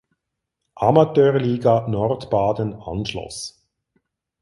Amateurliga Nordbaden anschloss.